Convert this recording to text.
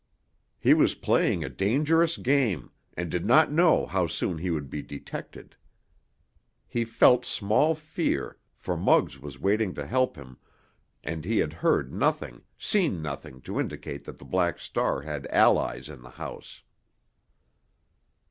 He was playing a dangerous game, and did not know how soon he would be detected. He felt small fear, for Muggs was waiting to help him, and he had heard nothing, seen nothing to indicate that the Black Star had allies in the house.